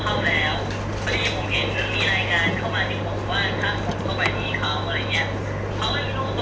ก็ไม่อยากออกปืนเท่าไหร่แต่ที่ออกนี่เขาก็สุดแล้วครับ